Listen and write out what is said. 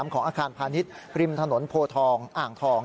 ของอาคารพาณิชย์ริมถนนโพทองอ่างทอง